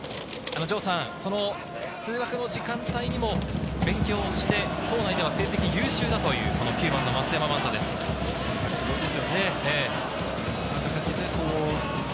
城さん、その通学の時間帯にも勉強して校内では成績優秀だという、９番・増山万太です。